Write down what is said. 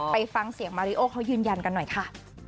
ไปฟังเสียงมาริโอเขายืนยันกันหน่อยค่ะ